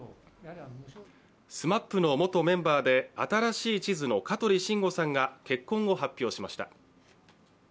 ＳＭＡＰの元メンバーで新しい地図の香取慎吾さんが結婚を発表しました。